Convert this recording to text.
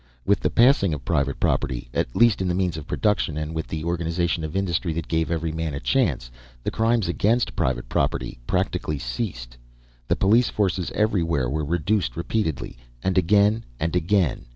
With the passing of private property, at least in the means of production, and with the organization of industry that gave every man a chance, the crimes against private property practically ceased. The police forces everywhere were reduced repeatedly and again and again.